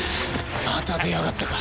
また出やがったか。